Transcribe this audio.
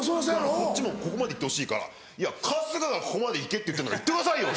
こっちもここまで行ってほしいから「春日がここまで行けって言ってんだから行ってくださいよ！」